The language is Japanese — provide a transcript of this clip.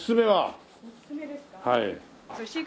はい。